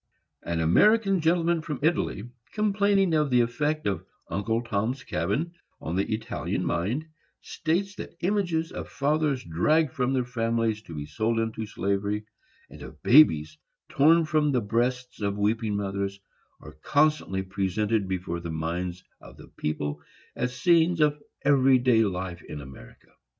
An American gentleman from Italy, complaining of the effect of "Uncle Tom's Cabin" on the Italian mind, states that images of fathers dragged from their families to be sold into slavery, and of babes torn from the breasts of weeping mothers, are constantly presented before the minds of the people as scenes of every day life in America.